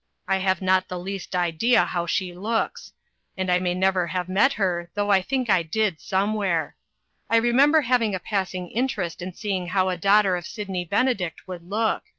I have not the least idea how she looks ; and I may never have met her, though I think I did somewhere. I remember having a passing interest in see ing how a daughter of Sydney Benedict would look.